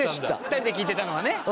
２人で聞いてたのはね。